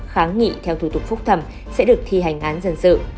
kháng nghị theo thủ tục phúc thẩm sẽ được thi hành án dân sự